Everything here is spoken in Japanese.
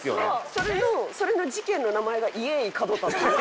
それのそれの事件の名前が「イエーイ門田」っていうの？